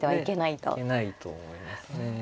いけないと思いますね。